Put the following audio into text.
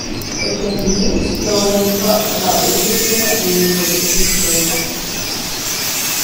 For twenty years, Loewen taught about racism at the University of Vermont.